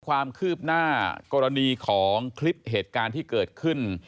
ความคืบหน้ากรณีของคลิปเหตุการณ์ที่เกิดขึ้น